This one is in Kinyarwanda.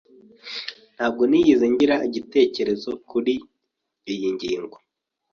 Ntabwo nigeze ngira igitekerezo kuriyi ngingo.